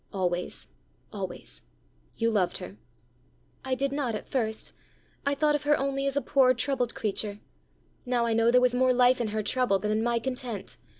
"Always; always: you loved her." "I did not at first; I thought of her only as a poor troubled creature! Now I know there was more life in her trouble than in my content.